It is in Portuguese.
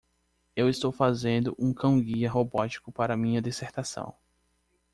Eu estou fazendo um cão-guia robótico para minha dissertação.